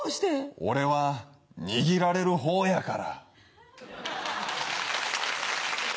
俺は握られるほうやから。